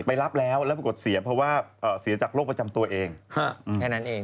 รับแล้วแล้วปรากฏเสียเพราะว่าเสียจากโรคประจำตัวเองแค่นั้นเอง